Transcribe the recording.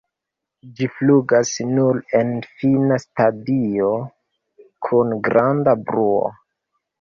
Ĝi flugas nur en fina stadio, kun granda bruo.